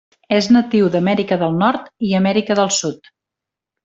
És natiu d'Amèrica del Nord i Amèrica del Sud.